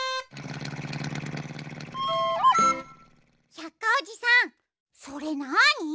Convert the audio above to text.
百科おじさんそれなに？